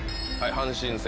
阪神戦